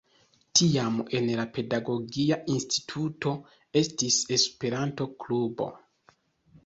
Tiam en la Pedagogia Instituto estis Esperanto-klubo.